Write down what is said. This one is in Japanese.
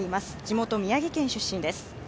地元・宮城県出身です。